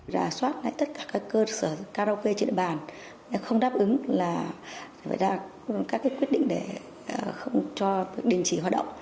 rà soát tất cả các cơ sở cao đau quê trên địa bàn không đáp ứng là phải ra các quyết định để không cho đình chỉ hoạt động